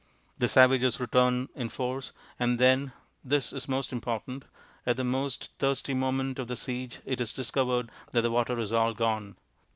The savages return in force, and then this is most important at the most thirsty moment of the siege it is discovered that the water is all gone!